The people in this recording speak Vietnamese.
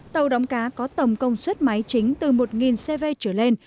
tàu đóng cá có tầm công suất máy chính từ một cv trở lên